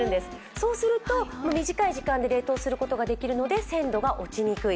そうすると短い時間で冷凍することができるので鮮度が落ちにくい。